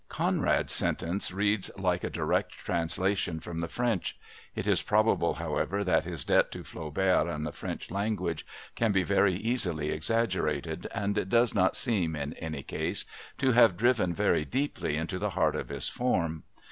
Conrad's sentence reads like a direct translation from the French, It is probable, however, that his debt to Flaubert and the French language can be very easily exaggerated, and it does not seem, in any case, to have driven very deeply into the heart of his form.